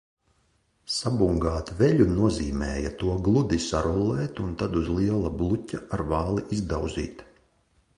Sabungāt veļu nozīmēja to gludi sarullēt un tad uz liela bluķa ar vāli izdauzīt.